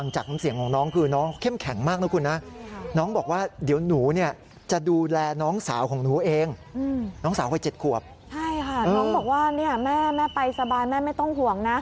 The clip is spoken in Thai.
ใช่ค่ะน้องบอกว่าเนี่ยแม่ไปสบายแม่ไม่ต้องห่วงนะ